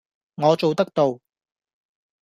我做得到!